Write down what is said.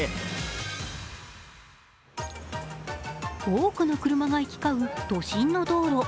多くの車が行き交う都心の道路。